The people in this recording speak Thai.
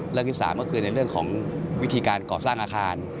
ที่๓ก็คือในเรื่องของวิธีการก่อสร้างอาคาร